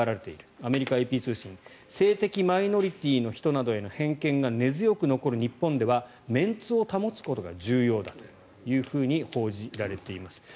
アメリカＡＰ通信性的マイノリティーの人などへの偏見が根強く残る日本ではメンツを保つことが重要だと報じられています。